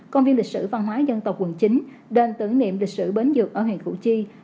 công viên lịch sử văn hóa dân tộc quận chín đền tưởng niệm lịch sử bến dược ở huyện củ chi